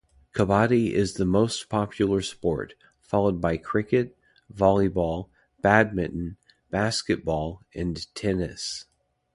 Kabbadi is the most popular sport, followed by cricket, volleyball, badminton, basketball and tennis.